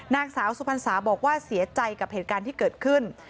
นางสาวสุพรรษาบอกว่าเสียใจกับเหตุการณ์ที่เกิดขึ้น